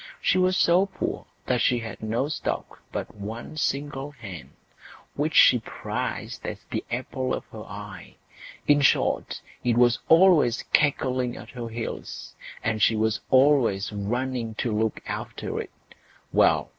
She was so poor that she had no stock but one single hen, which she prized as the apple of her eye; in short, it was always cackling at her heels, and she was always running to look after it. Well!